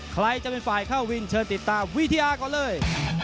ใครจะเป็นฝ่ายเข้าวินเชิญติดตามวิทยาก่อนเลย